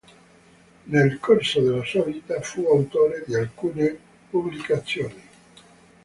Nel corso della sua vita fu autore di alcune pubblicazioni.